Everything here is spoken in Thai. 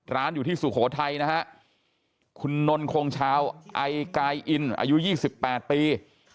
ร้านอยู่ที่สุโขทัยนะฮะคุณนนคงชาวไอกายอินอายุ๒๘ปี